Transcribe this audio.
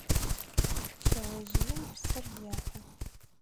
Шъэожъыем псыр ехьы.